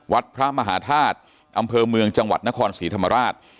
วัดพระมหาธาตุอำเภอเมืองจังหวัดนครศรีธรรมราช